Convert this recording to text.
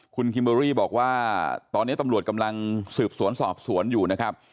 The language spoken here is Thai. คุณคิมเบอรี่บอกว่าตอนนี้ตำรวจกำลังสืบสวนสอบสวนอยู่นะครับ